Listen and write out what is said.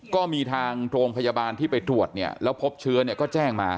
ก็มีทางโรงพยาบาลที่ไปตรวจและคต์เชื้อก็แจ้งมา